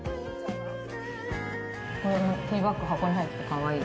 これ、ティーバック、箱に入っててかわいい。